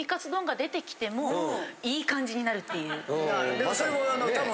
でもそれも多分。